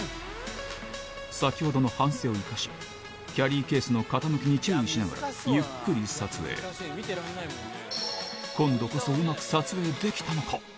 先ほどの反省を生かしキャリーケースの傾きに注意しながらゆっくり撮影今度こそはい。